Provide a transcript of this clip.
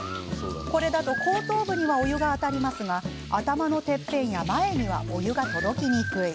これだと後頭部にはお湯が当たりますが頭のてっぺんや前にはお湯が届きにくい。